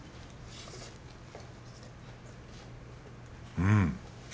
うん。